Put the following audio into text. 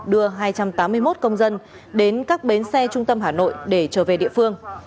đưa hai trăm tám mươi một công dân đến các bến xe trung tâm hà nội để trở về địa phương